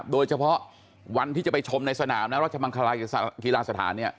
โดยเฉพาะวันที่จะไปชมในสนามรัชมังคลากีฬาสถาน